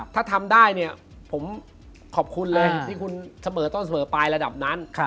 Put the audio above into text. ถ้าทำได้เนี่ยผมขอบคุณเลยที่คุณเสมอต้นเสมอไประดับนั้น